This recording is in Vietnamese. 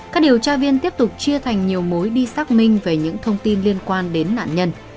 các điều tra viên tiếp tục chia thành nhiều mối đi xác minh về những thông tin liên quan đến nạn nhân